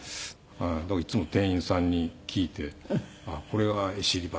だからいつも店員さんに聞いてこれがエシレバターかっていう。